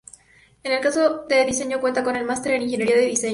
En el caso de Diseño cuenta con el Máster en Ingeniería del Diseño.